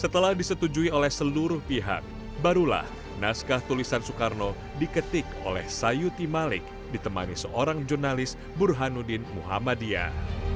setelah disetujui oleh seluruh pihak barulah naskah tulisan soekarno diketik oleh sayuti malik ditemani seorang jurnalis burhanuddin muhammadiyah